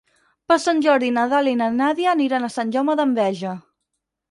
Per Sant Jordi na Dàlia i na Nàdia iran a Sant Jaume d'Enveja.